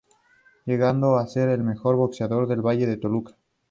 Llegando a ser el mejor boxeador del Valle de Toluca.